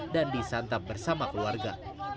dan disantap bersama keluarga